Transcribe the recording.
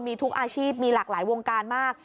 มีทุกอาชีพมีหลากหลายวงการมาก